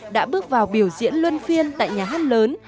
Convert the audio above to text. đã bước vào biểu diễn luân phiên tại nhà hát lớn